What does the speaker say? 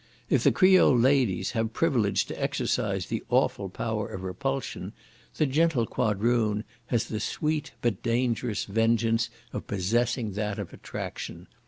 If the Creole ladies have privilege to exercise the awful power of repulsion, the gentle Quadroon has the sweet but dangerous vengeance of possessing that of attraction.